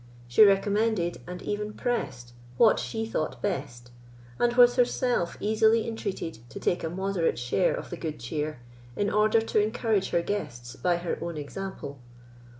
She recommended, and even pressed, what she thought best, and was herself easily entreated to take a moderate share of the good cheer, in order to encourage her guests by her own example.